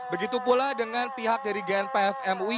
begitu pula dengan pihak dari gnpf mui